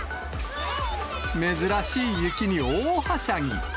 珍しい雪に大はしゃぎ。